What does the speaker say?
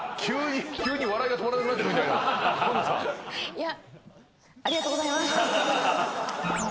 いや。